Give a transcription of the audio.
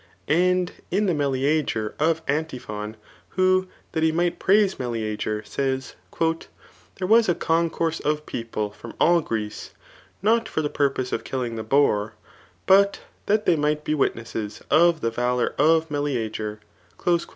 And in the Meleager of Anttphai^ who [that he might praise Meleager] says, ^^ There wtt a concourse of people from all Greece, not for the paiw pose of killing the boar, but diat they might be ^ritnesses of the valour of Meleager."